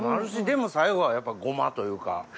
でも最後はやっぱごまというか。